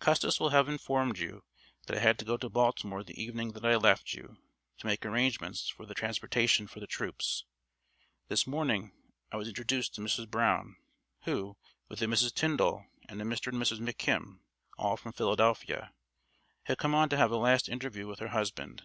"Custis will have informed you that I had to go to Baltimore the evening that I left you, to make arrangements for the transportation for the troops. ... This morning I was introduced to Mrs. Brown, who, with a Mrs. Tyndall and a Mr. and Mrs. McKim, all from Philadelphia, had come on to have a last interview with her husband.